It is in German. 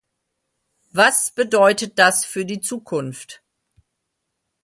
Was bedeutet das für die Zukunft?